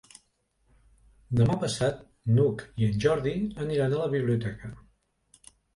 Demà passat n'Hug i en Jordi aniran a la biblioteca.